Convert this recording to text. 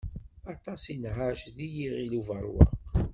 Aṭas i nɛac di Yiɣil Ubeṛwaq.